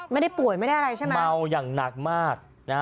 ไม่ได้ป่วยไม่ได้อะไรใช่ไหมเมาอย่างหนักมากนะฮะ